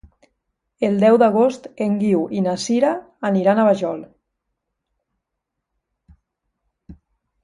El deu d'agost en Guiu i na Sira aniran a la Vajol.